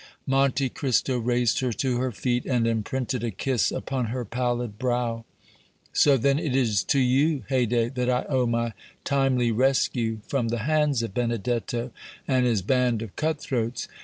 Monte Cristo raised her to her feet, and imprinted a kiss upon her pallid brow. "So then, it is to you, Haydée, that I owe my timely rescue from the hands of Benedetto and his band of cut throats!